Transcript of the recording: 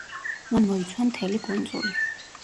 მან მოიცვა მთელი კუნძული.